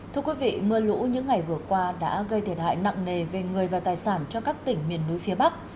thưa quý vị mưa lũ những ngày vừa qua đã gây thiệt hại nặng nề về người và tài sản cho các tỉnh miền núi phía bắc